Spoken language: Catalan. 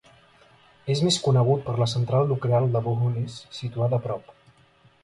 És més conegut per la central nuclear de Bohunice, situada a prop.